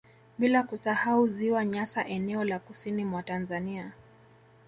Bila kusahau ziwa Nyasa eneo la kusini mwa Tanzania